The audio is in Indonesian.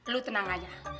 lo tenang aja